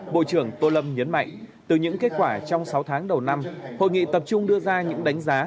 bộ trưởng tô lâm nhấn mạnh từ những kết quả trong sáu tháng đầu năm hội nghị tập trung đưa ra những đánh giá